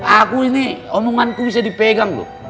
aku ini omonganku bisa dipegang loh